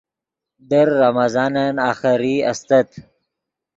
در رمضانن آخری استت